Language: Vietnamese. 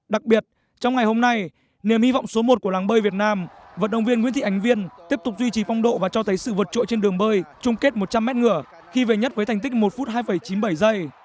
đặc biệt trong ngày hôm nay niềm hy vọng số một của làng bơi việt nam vận động viên nguyễn thị ánh viên tiếp tục duy trì phong độ và cho thấy sự vượt trội trên đường bơi chung kết một trăm linh m ngửa khi về nhất với thành tích một phút hai chín mươi bảy giây